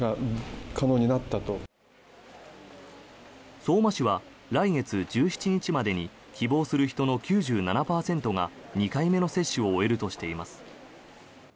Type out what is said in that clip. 相馬市は来月１７日までに希望する人の９７％が２回目の接種を終えるとしています。